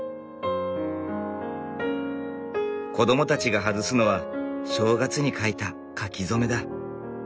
子どもたちが外すのは正月に書いた書き初めだ。